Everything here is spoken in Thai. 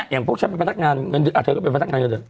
อย่างพวกฉันเป็นพนักงานเธอก็เป็นพนักงานอย่างเดียว